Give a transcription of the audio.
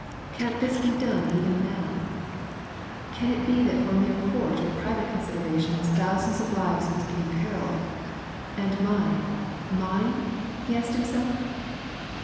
Can't this be done even now ? Can it be that for mere court or private considerations thousands of lives must be imperilled — and mine, mine ?" he asked himself.